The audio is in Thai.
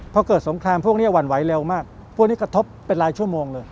พอเกิดสงครามพวกนี้หวั่นไหวเร็วมากพวกนี้กระทบเป็นรายชั่วโมงเลย